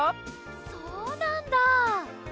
そうなんだ！